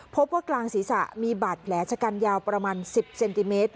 พบว่ากลางศีรษะมีบาดแผลชะกันยาวประมาณ๑๐เซนติเมตร